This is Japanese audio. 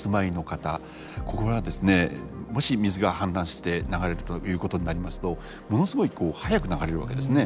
これはですねもし水が氾濫して流れたということになりますとものすごい速く流れるわけですね。